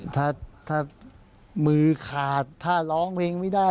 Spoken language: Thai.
ถ้ามือขาดถ้าร้องเพลงไม่ได้